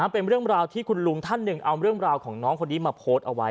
เป็นเรื่องราวที่คุณลุงท่านหนึ่งเอาเรื่องราวของน้องคนนี้มาโพสต์เอาไว้